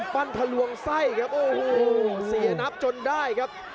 ปันทะลวงไส้ครับโอ้โหสี่อันทรัพย์จนได้ครับ